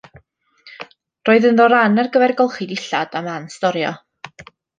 Roedd ynddo ran ar gyfer golchi dillad a man storio.